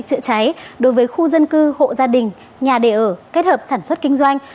chữa cháy đối với khu dân cư hộ gia đình nhà đề ở kết hợp sản xuất kinh doanh